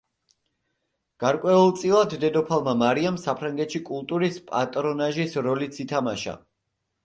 გარკვეულწილად დედოფალმა მარიამ საფრანგეთში კულტურის პატრონაჟის როლიც ითამაშა.